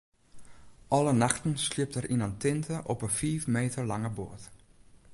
Alle nachten sliept er yn in tinte op in fiif meter lange boat.